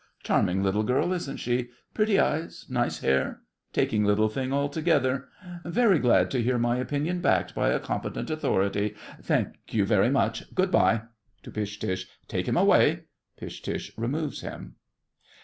Charming little girl, isn't she? Pretty eyes, nice hair. Taking little thing, altogether. Very glad to hear my opinion backed by a competent authority. Thank you very much. Good bye. (To Pish Tush.) Take him away. (Pish Tush removes him.)